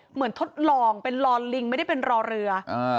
ทดลองเป็นรอลิงไม่ได้เป็นรอเรือ